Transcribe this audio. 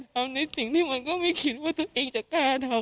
เอาในสิ่งที่มันก็ไม่คิดว่าตัวเองจะกล้าทำ